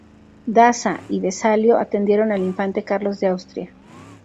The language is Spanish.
Daza y Vesalio atendieron al infante Carlos de Austria.